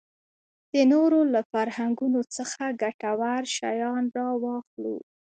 د نورو له فرهنګونو څخه ګټور شیان راواخلو.